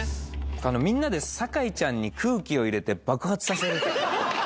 あのみんなで「酒井ちゃんに空気を入れて爆発させる」。